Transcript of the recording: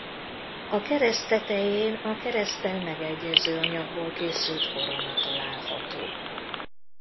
A kereszt tetején a kereszttel megegyező anyagból készült korona található.